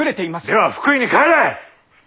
では福井に帰れ！